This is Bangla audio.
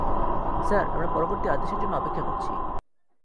স্যার, আমরা পরবর্তী আদেশের জন্য অপেক্ষা করছি।